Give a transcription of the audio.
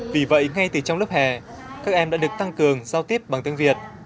vì vậy ngay từ trong lớp hè các em đã được tăng cường giao tiếp bằng tiếng việt